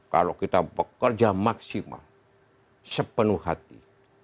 kalau kita bekerja maksimal sepenuh hati